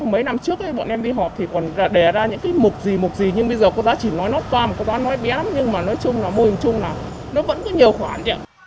mấy năm trước bọn em đi họp thì còn đè ra những cái mục gì mục gì nhưng bây giờ con ta chỉ nói nó toàn con ta nói bém nhưng mà nói chung là mô hình chung là nó vẫn có nhiều khoản